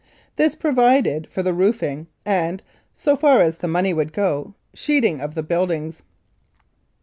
This provided for the roofing and, so far as the money would go, sheathing of the buildings.